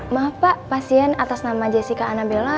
maaf pak pasien atas nama jessica annabela